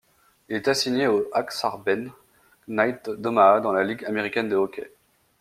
Il est assigné aux Ak-Sar-Ben Knights d'Omaha dans la Ligue américaine de hockey.